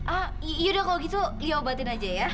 ah yaudah kalau gitu liat obatin aja ya